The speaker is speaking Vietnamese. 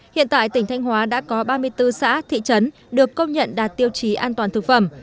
hiện tại tỉnh thanh hóa đã có ba mươi bốn xã thị trấn được công nhận đạt tiêu chí an toàn thực phẩm